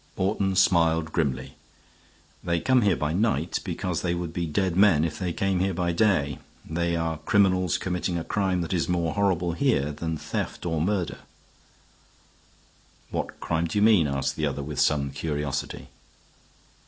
Morton smiled grimly. "They come here by night because they would be dead men if they came here by day. They are criminals committing a crime that is more horrible here than theft or murder." "What crime do you mean?" asked the other, with some curiosity.